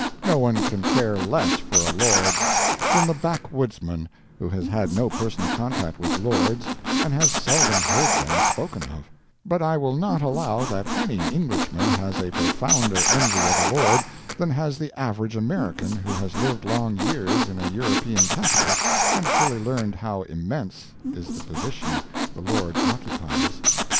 No one can care less for a lord than the backwoodsman, who has had no personal contact with lords and has seldom heard them spoken of; but I will not allow that any Englishman has a profounder envy of a lord than has the average American who has lived long years in a European capital and fully learned how immense is the position the lord occupies.